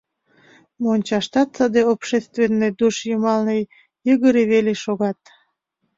Мончаштат саде общественне душ йымалне йыгыре веле шогат.